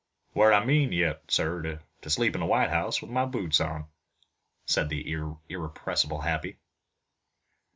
"Where I mean yet, sir, to sleep in the White House with my boots on," said the irrepressible Happy.